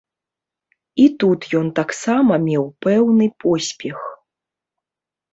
І тут ён таксама меў пэўны поспех.